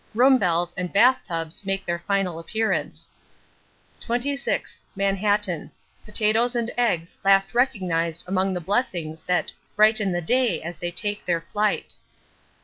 Room bells and bath tubs make their final appearance. 26th, Manhattan. Potatoes and eggs last recognized among the blessings that 'brighten as they take their flight.'